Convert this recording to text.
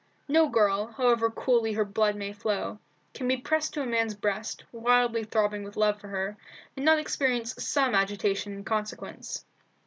No girl, however coolly her blood may flow, can be pressed to a man's breast, wildly throbbing with love for her, and not experience some agitation in consequence.